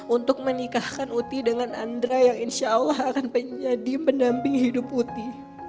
untuk menikahkan uti dengan andra yang insya allah akan menjadi pendamping hidup uti